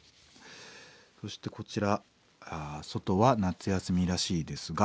そしてこちら「ソトは夏休みらしいですが」。